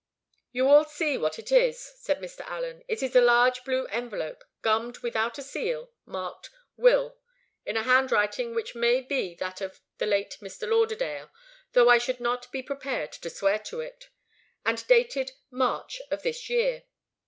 "You all see what it is," said Mr. Allen. "It is a large blue envelope, gummed without a seal, marked 'Will,' in a handwriting which may be that of the late Mr. Lauderdale, though I should not be prepared to swear to it, and dated 'March' of this year.